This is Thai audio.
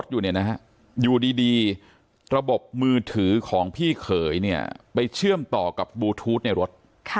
อยู่ดีระบบมือถือของพี่เขยไปเชื่อมต่อกับบลูทูธในรถ